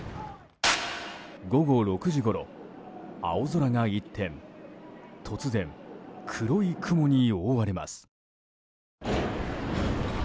午後６時ごろ、青空が一転突然黒い雲に覆われます。